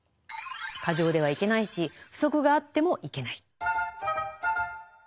過剰ではいけないし不足があってもいけない。